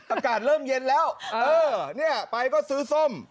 อากาศเริ่มเย็นแล้วเออเนี่ยไปก็ซื้อส้ม